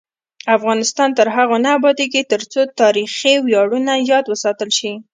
افغانستان تر هغو نه ابادیږي، ترڅو تاریخي ویاړونه یاد وساتل شي.